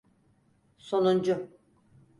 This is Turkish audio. Sonuncu.